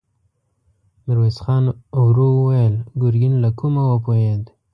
ميرويس خان ورو وويل: ګرګين له کومه وپوهېد؟